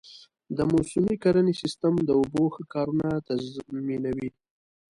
د موسمي کرنې سیستم د اوبو ښه کارونه تضمینوي.